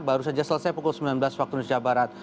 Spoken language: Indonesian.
baru saja selesai pukul sembilan belas waktu indonesia barat